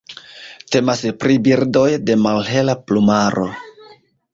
Temas pri birdoj de malhela plumaro.